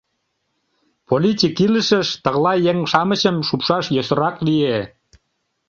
Политик илышыш тыглай еҥ-шамычым шупшаш йӧсырак лие.